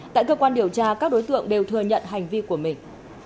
tại cơ quan điều tra các đối tượng đều thừa nhận hành vi của mình